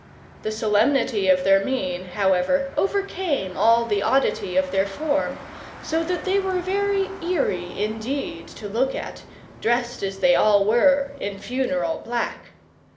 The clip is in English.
The solemnity of their mien, however, overcame all the oddity of their form, so that they were very eerie indeed to look at, dressed as they all were in funereal black.